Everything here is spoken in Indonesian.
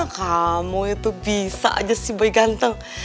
kamu itu bisa aja sih boy ganteng